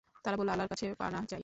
তারা বলল, আল্লাহর কাছে পানাহ চাই!